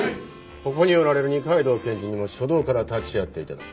ここにおられる二階堂検事にも初動から立ち会って頂く。